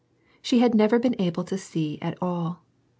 She had never been able to see at all.